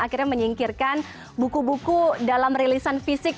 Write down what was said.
akhirnya menyingkirkan buku buku dalam rilisan fisik